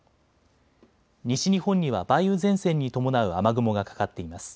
西日本には梅雨前線に伴う雨雲がかかっています。